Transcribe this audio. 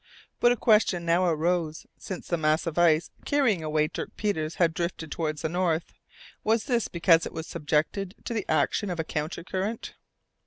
But a question now arose. Since the mass of ice carrying away Dirk Peters had drifted towards the north, was this because it was subjected to the action of a counter current?